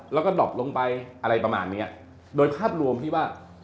แล้วก็ดอบลงไปอะไรประมาณเนี้ยโดยภาพรวมที่ว่า